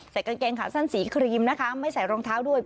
กางเกงขาสั้นสีครีมนะคะไม่ใส่รองเท้าด้วย